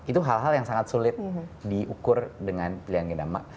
itu hal hal yang sangat sulit diukur dengan pilihan genama